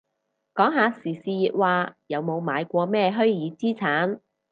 講下時事熱話，有冇買過咩虛擬資產